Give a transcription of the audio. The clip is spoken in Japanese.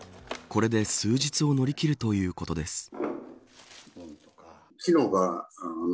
これで数日を乗り切るということです。